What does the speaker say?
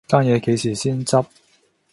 間野幾時先執